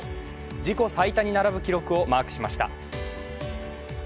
自己最多に並ぶ記録をマークしました。